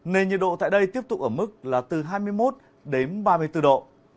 nền nhiệt độ tại đây tiếp tục ở mức là từ hai mươi một đến ba mươi bốn độ